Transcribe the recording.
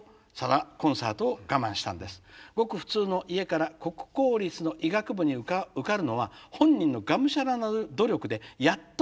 ごく普通の家から国公立の医学部に受かるのは本人のがむしゃらな努力でやっとかなう夢。